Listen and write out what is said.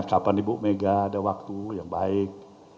kapan ibu mega ada waktu yang baik